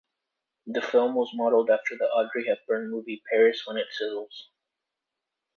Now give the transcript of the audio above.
The film was modeled after the Audrey Hepburn movie, "Paris When It Sizzles".